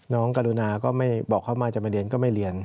กรุณาก็ไม่บอกเขามาจะมาเรียนก็ไม่เรียน